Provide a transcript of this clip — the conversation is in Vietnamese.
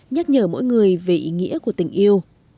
nhắc nhở mỗi người về ý nghĩa của tình yêu